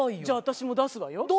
じゃあ私も出すわよ。